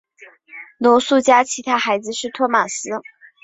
罗素家其他孩子是托马斯。